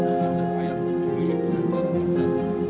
mengajak rakyat untuk memilih pelajar atau tidak